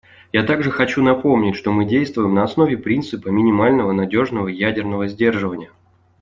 Я также хочу напомнить, что мы действуем на основе принципа минимального надежного ядерного сдерживания.